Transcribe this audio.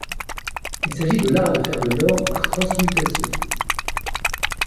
Il s'agit de l'art de faire de l'or par transmutation.